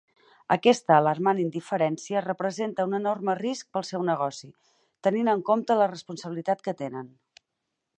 Aquesta alarmant indiferència representa un enorme risc per al seu negoci, tenint en compte la responsabilitat que tenen.